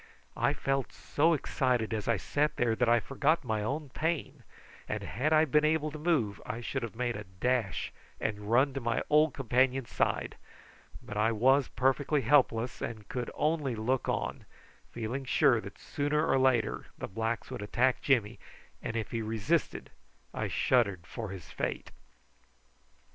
I felt so excited as I sat there that I forgot my own pain, and had I been able to move I should have made a dash and run to my old companion's side; but I was perfectly helpless, and could only look on, feeling sure that sooner or later the blacks would attack Jimmy, and if he resisted I shuddered for his fate.